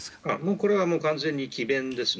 これは完全に詭弁ですね。